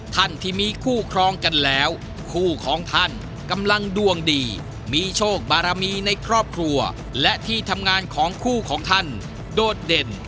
ท่านที่มีคู่ครองกันแล้วคู่ของท่านกำลังดวงดีมีโชคบารมีในครอบครัวและที่ทำงานของคู่ของท่านโดดเด่น